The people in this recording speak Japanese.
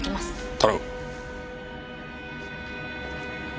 頼む。